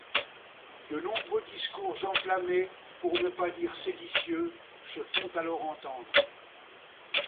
De nombreux discours enflammés, pour ne pas dire séditieux se font alors entendre.